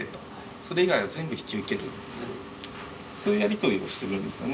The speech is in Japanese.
それ以外は全部引き受けるってそういうやりとりをしてるんですね。